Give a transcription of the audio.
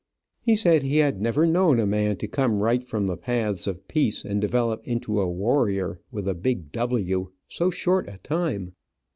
He said he had never known a man to come right from the paths of peace, and develop into a warrior with a big "W" so short a time.